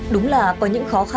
đúng là có những khó khăn